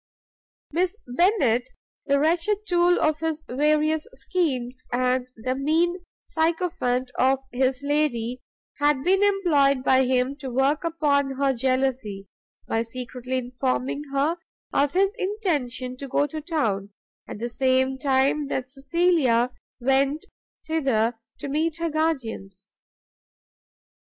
Miss Bennet, the wretched tool of his various schemes, and the mean sycophant of his lady, had been employed by him to work upon her jealousy, by secretly informing her of his intention to go to town, at the same time that Cecilia went thither to meet her guardians.